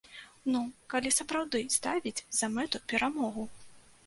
Ну, калі сапраўды ставіць за мэту перамогу?